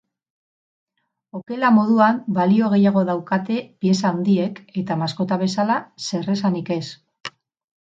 Okela moduan balio gehiago daukate pieza handiek eta maskota bezala zer esanik ez.